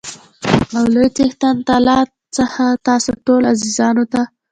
او له لوى څښتن تعالا څخه تاسو ټولو عزیزانو ته